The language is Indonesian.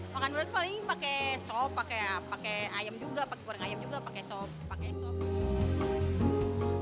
makan berat paling pakai sop pakai ayam juga pakai goreng ayam juga pakai sop pakai sop